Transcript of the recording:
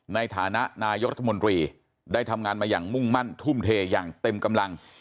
ในฐานะนายกรัฐมนตรีได้ทำงานมาอย่างมุ่งมั่นทุ่มเทอย่างเต็มกำลัง